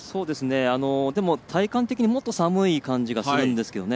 でも、体感的にもっと寒い感じがするんですけどね。